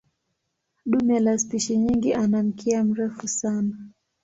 Dume la spishi nyingi ana mkia mrefu sana.